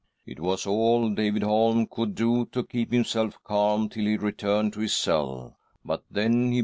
" It was all David Holm could do to keep himself calm till he returned to his cell, but then he began ■